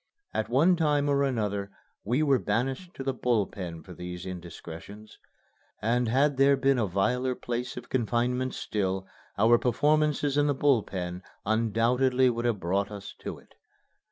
At one time or another we were banished to the Bull Pen for these indiscretions. And had there been a viler place of confinement still, our performances in the Bull Pen undoubtedly would have brought us to it.